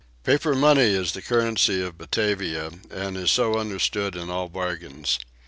Paper money is the currency of Batavia and is so understood in all bargains.